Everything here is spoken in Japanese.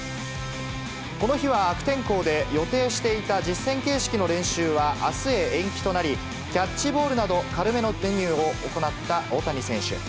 この日は悪天候で、予定していた実戦形式の練習はあすへ延期となり、キャッチボールなど、軽めのメニューを行った大谷選手。